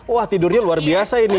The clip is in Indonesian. wah tidurnya luar biasa ini